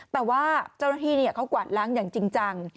แต่ว่าเจ้าหน้าที่เขากวาดล้างอย่างจริงจัง